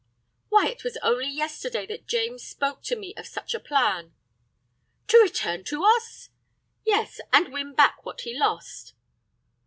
"Why, it was only yesterday that James spoke to me of such a plan." "To return to us?" "Yes, and win back what he lost."